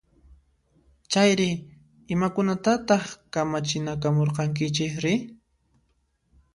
Chayri, imakunatataq kamachinakamurqankichisri?